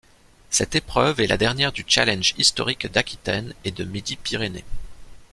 Cette épreuve est la dernière du Challenge historique d'Aquitaine et de Midi-Pyrénées.